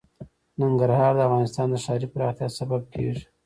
ننګرهار د افغانستان د ښاري پراختیا سبب کېږي.